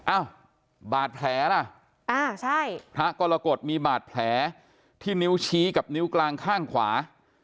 อ้าวบาดแผลล่ะพระกรกฎมีบาดแผลที่นิ้วชี้กับนิ้วกลางข้างขวา